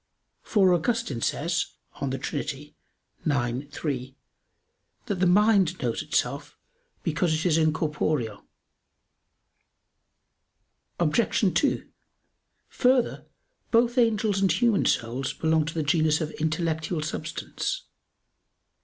For Augustine says (De Trin. ix, 3), that "the mind knows itself, because it is incorporeal." Obj. 2: Further, both angels and human souls belong to the genus of intellectual substance.